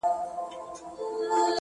شعرونه نور ورته هيڅ مه ليكه.